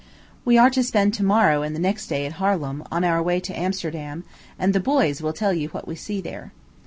We are to spend to morrow and next day at Harlem, on our way to Amsterdam; and the boys will tell you what we see there.